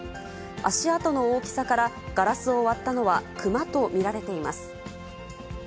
足跡の大きさから、ガラスを割ったのは熊と見られています。